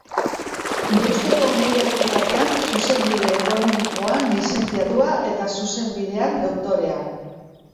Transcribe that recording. Deustuko Unibertsitatean Zuzenbide Ekonomikoan lizentziatua eta Zuzenbidean Doktorea.